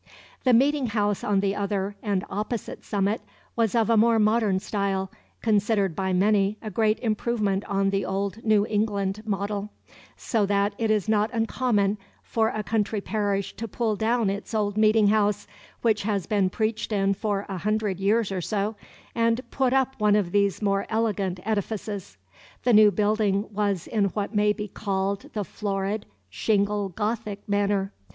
The meeting house on the other and opposite summit was of a more modern style, considered by many a great improvement on the old New England model, so that it is not uncommon for a country parish to pull down its old meeting house, which has been preached in for a hundred years or so, and put up one of these more elegant edifices. The new building was in what may be called the florid shingle Gothic manner.